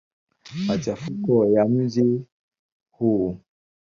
Machafuko ya mji huu.